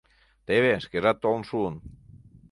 Теве, шкежат толын шуын.